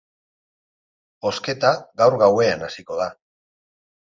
Bozketa gaur gauean hasiko da.